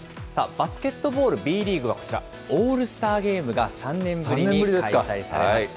バスケットボールＢリーグはこちら、オールスターゲームが３年ぶりに開催されました。